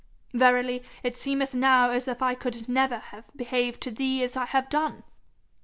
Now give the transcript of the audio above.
Verily, it seemeth now as if I could never have behaved to thee as I have done.